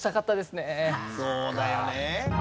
そうだよね。